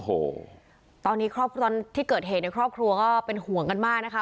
อื้มตอนที่เกิดเหตุในครอบครัวก็เป็นห่วงกันมากนะคะ